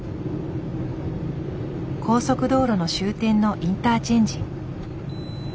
高速道路の終点のインターチェンジ。